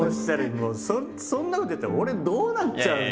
もうそんなこと言ったら俺どうなっちゃうのよ？